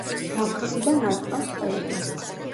სამხრეთიდან არტყავს ტყეები.